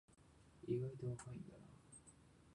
意外と若いんだな